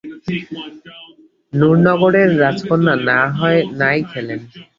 নুরনগরের রাজকন্যা না-হয় নাই খেলেন?